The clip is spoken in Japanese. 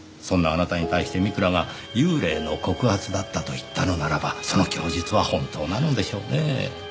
そんなあなたに対して美倉が幽霊の告発だったと言ったのならばその供述は本当なのでしょうねぇ。